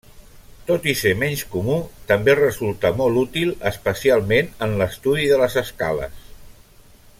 Tot i ser menys comú, també resulta molt útil, especialment en l’estudi de les escales.